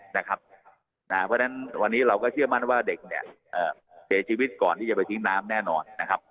เพราะฉะนั้นวันนี้เราก็เชื่อมั่นว่าเด็กเนี่ยเสียชีวิตก่อนที่จะไปทิ้งน้ำแน่นอนนะครับ